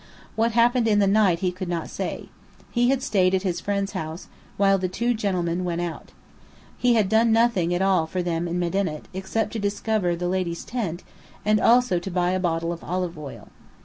What happened in the night he could not say. He had stayed at his friend's house, while the two gentlemen went out. He had done nothing at all for them in Medinet, except to discover the ladies' tent, and also to buy a bottle of olive oil.